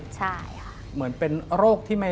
สุดท้าย